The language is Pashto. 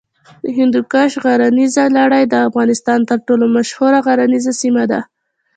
د هندوکش غرنیزه لړۍ د افغانستان تر ټولو مشهوره غرنیزه سیمه ده.